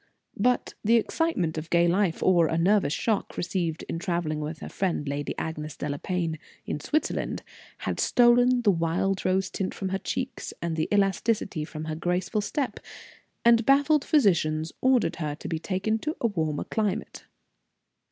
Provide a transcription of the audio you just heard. But the excitement of gay life, or a nervous shock received in traveling with her friend, Lady Agnes Delapain, in Switzerland, had stolen the wild rose tint from her cheek and the elasticity from her graceful step, and baffled physicians ordered her to be taken to a warmer climate.